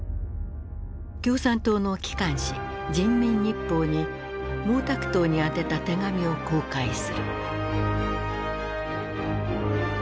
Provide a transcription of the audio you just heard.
共産党の機関紙人民日報に毛沢東に宛てた手紙を公開する。